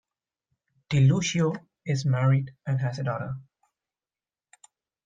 DiLucchio is married and has a daughter.